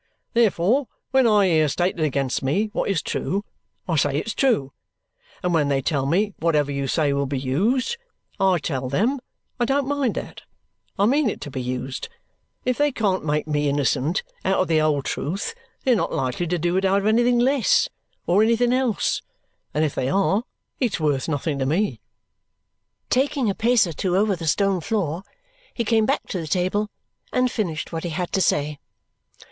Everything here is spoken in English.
Therefore, when I hear stated against me what is true, I say it's true; and when they tell me, 'whatever you say will be used,' I tell them I don't mind that; I mean it to be used. If they can't make me innocent out of the whole truth, they are not likely to do it out of anything less, or anything else. And if they are, it's worth nothing to me." Taking a pace or two over the stone floor, he came back to the table and finished what he had to say.